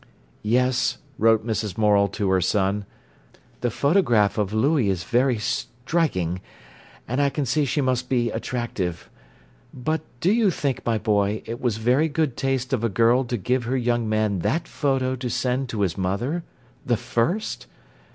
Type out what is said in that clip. "Yes," wrote Mrs. Morel to her son, "the photograph of Louie is very striking, and I can see she must be attractive. But do you think, my boy, it was very good taste of a girl to give her young man that photo to send to his mother—the first?